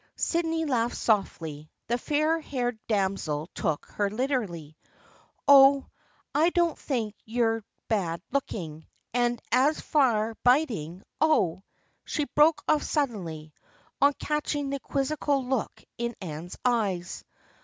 Sydney laughed softly. The fair haired damsel took her literally. " Oh, I don't think you're bad looking, and as for biting — oh !" she broke off suddenly, on catch ing the quizzical look in Anne's eyes.